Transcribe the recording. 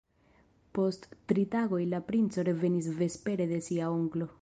Post tri tagoj la princo revenis vespere de sia onklo.